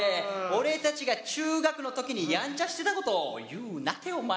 俺たちが中学のときにやんちゃしてたこと、言うなて、お前。